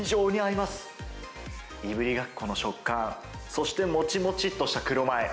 いぶりがっこの食感、そしてもちもちっとした黒米。